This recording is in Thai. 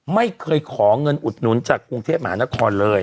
ไม่เคยขอเงินอุดหนุนจากกรุงเทพมหานครเลย